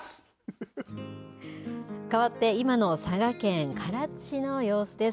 かわって今の佐賀県唐津市の様子です。